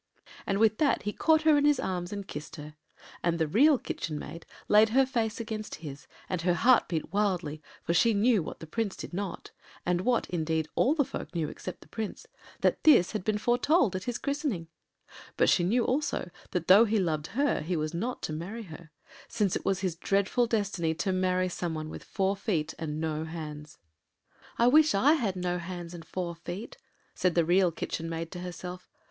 ” And with that he caught her in his arms and kissed her; and the Real Kitchen Maid laid her face against his, and her heart beat wildly, for she knew what the Prince did not, and what, indeed, all the folk knew except the Prince, that this had been foretold at his christening; but she knew also that though he loved her, he was not to marry her, since it was his dreadful destiny to marry some one with four feet and no hands. “I wish I had no hands and four feet,” said the Real Kitchen maid to herself.